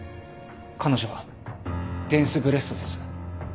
彼女はデンスブレストです。